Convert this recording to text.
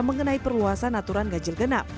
mengenai perluasan aturan ganjil genap